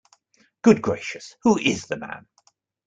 Good gracious, who is the man?